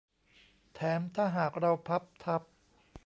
แถมถ้าหากเราพับทับ